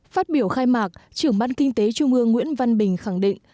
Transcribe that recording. phát biểu khai mạc trưởng ban kinh tế trung ương nguyễn văn bình khẳng định